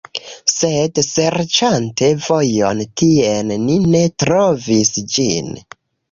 Sed serĉante vojon tien, ni ne trovis ĝin.